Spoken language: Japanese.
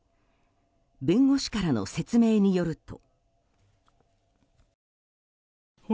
弁護士からの説明によると。